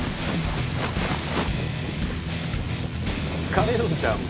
「疲れるんちゃうん」